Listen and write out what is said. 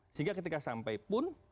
sehingga ketika sampai pun